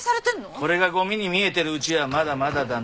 これがゴミに見えてるうちはまだまだだな。